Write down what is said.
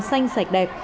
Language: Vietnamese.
xanh sạch đẹp